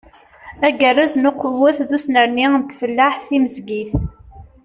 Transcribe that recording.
Agerrez n uqewwet d usnerni n tfellaḥt timezgit.